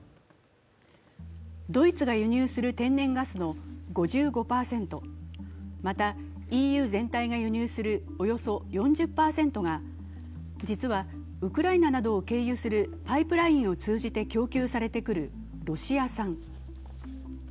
ドイツが輸入する天然ガスの５５％、またＥＵ全体が輸入するおよそ４０％が、実はウクライナなどを経由するパイプラインを通じて供給されてくるロシア産。